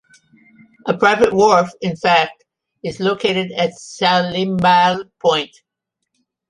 A private wharf in fact is located at Salimbal Point.